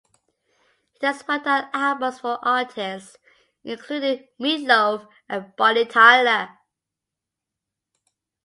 He has worked on albums for artists including Meat Loaf and Bonnie Tyler.